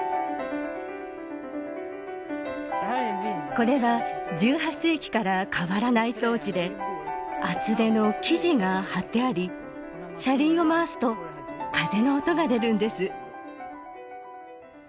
これは１８世紀から変わらない装置で厚手の生地が張ってあり車輪を回すと風の音が出るんです